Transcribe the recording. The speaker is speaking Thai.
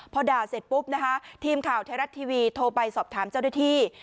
พอด่าเสร็จปุ๊บนะคะทีมข่าวไทยรัฐทีวีโทรไปสอบถามเจ้าหน้าที่